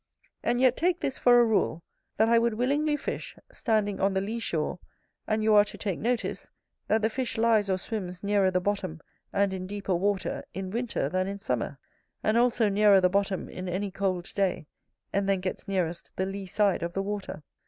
And yet take this for a rule, that I would willingly fish, standing on the lee shore: and you are to take notice, that the fish lies or swims nearer the bottom, and in deeper water, in winter than in summer; and also nearer the bottom in any cold day, and then gets nearest the lee side of the water.